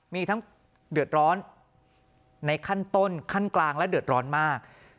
มีทั้งเดือดร้อนในขั้นต้นขั้นกลางและเดือดร้อนมาก